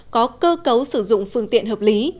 có cơ cấu sử dụng phương tiện hợp lý